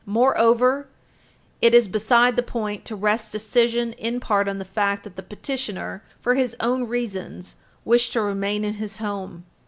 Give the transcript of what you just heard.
Moreover, it is beside the point to rest decision in part on the fact that the petitioner, for his own reasons, wished to remain in his home.